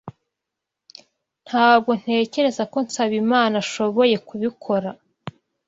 Ntabwo ntekereza ko Nsabimana ashoboye kubikora.